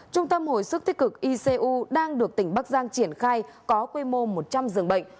trung tâm hồi sức tích cực icu đang được tỉnh bắc giang triển khai có quy mô một trăm linh dường bệnh